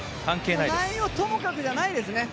内容ともかくじゃないですね。